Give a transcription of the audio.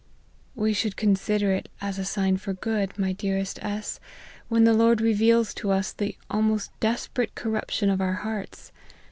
" We should consider it as a sign for good, my dearest S , when the Lord reveals to us the almost desperate corruption of our hearts.